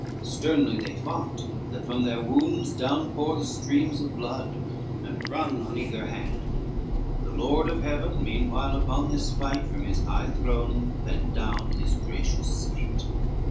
Sternly they fought, that from their wounds downpour The streams of blood and run on either hand: The Lord of heaven meanwhile upon this fight, From his high throne bent down his gracious sight.